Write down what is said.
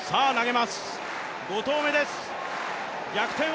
５投目です。